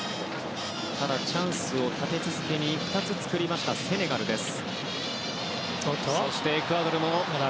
チャンスを立て続けに２つ作りましたセネガルです。